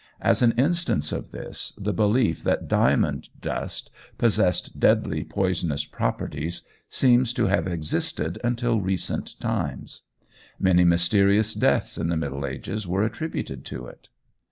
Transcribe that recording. As an instance of this, the belief that diamond dust possessed deadly poisonous properties seems to have existed until recent times. Many mysterious deaths in the Middle Ages were attributed to it.